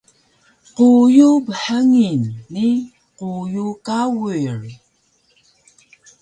quyu bhngil ni quyu kawir